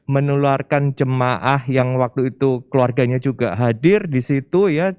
menularkan jemaah yang waktu itu keluarganya juga hadir di situ ya